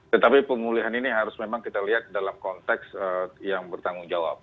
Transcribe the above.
tetapi pemulihan ini harus memang kita lihat dalam konteks yang bertanggung jawab